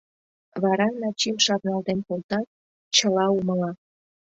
Вара Начим шарналтен колтат, чыла умыла...